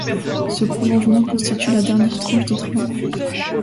Ce prolongement constitue la dernière tranche de travaux.